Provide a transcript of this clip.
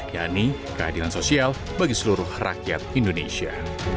yakni keadilan sosial bagi seluruh rakyat indonesia